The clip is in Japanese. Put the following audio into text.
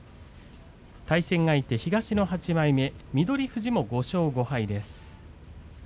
対戦相手、東の８枚目翠富士も５勝５敗です。